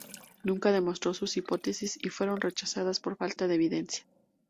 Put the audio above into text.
Nunca demostró sus hipótesis, y fueron rechazadas por falta de evidencia.